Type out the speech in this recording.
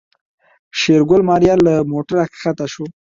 شېرګل ماريا له موټره کښته کړه.